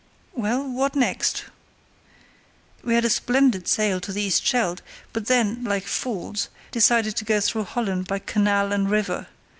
"Well, what next?" "We had a splendid sail to the East Scheldt, but then, like fools, decided to go through Holland by canal and river.